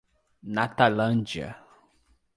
Natalândia